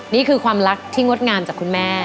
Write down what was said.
นี่คือความรักที่งดงามจากคุณแม่